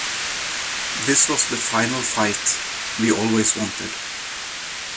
This was the "Final Fight" we always wanted.